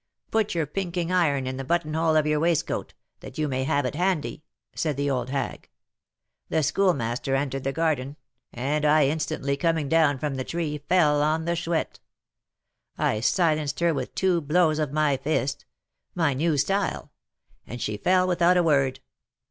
'Put your "pinking iron" in the buttonhole of your waistcoat, that you may have it handy,' said the old hag. The Schoolmaster entered the garden, and I instantly, coming down from the tree, fell on the Chouette. I silenced her with two blows of my fist, my new style, and she fell without a word.